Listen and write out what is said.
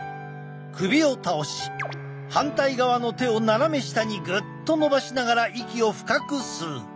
首を倒し反対側の手を斜め下にグッと伸ばしながら息を深く吸う。